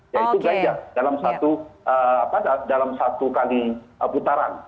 yaitu ganjar dalam satu kali putaran